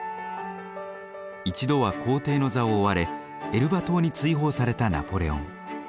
一度は皇帝の座を追われエルバ島に追放されたナポレオン。